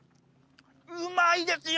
うまいですよ